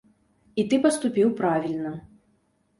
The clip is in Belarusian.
І ты паступіў правільна.